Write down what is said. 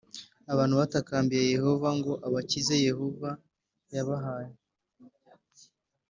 Abantu batakambiye yehova ngo abakize yehova yabahaye